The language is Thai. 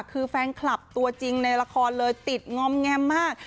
คือแฟนคลับตัวจริงในละครเลยติดงอมแงมมาก